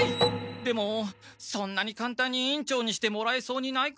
でもそんなにかんたんに委員長にしてもらえそうにないから。